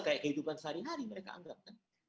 kehidupan sehari hari mereka anggap